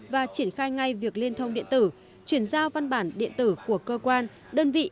và triển khai ngay việc liên thông điện tử chuyển giao văn bản điện tử của cơ quan đơn vị